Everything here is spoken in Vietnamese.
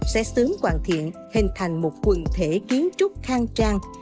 sẽ sớm hoàn thiện hình thành một quần thể kiến trúc khang trang